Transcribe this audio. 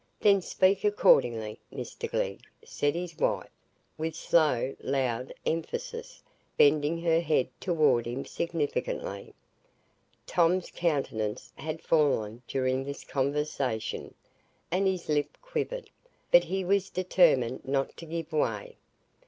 "Then speak accordingly, Mr Glegg!" said his wife, with slow, loud emphasis, bending her head toward him significantly. Tom's countenance had fallen during this conversation, and his lip quivered; but he was determined not to give way.